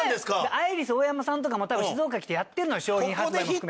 アイリスオーヤマさんとかも多分静岡来てやってるのよ商品発売も含め。